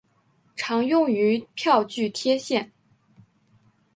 常用于票据贴现。